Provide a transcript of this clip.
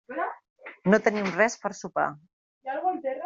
No tenim res per sopar.